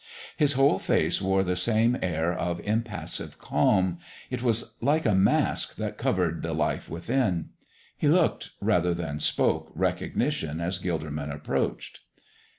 His whole face wore the same air of impassive calm it was like a mask that covered the life within. He looked rather than spoke recognition as Gilderman approached.